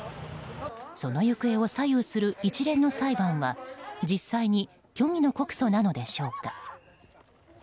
その行方を左右する一連の裁判は実際に虚偽の告訴なのでしょうか。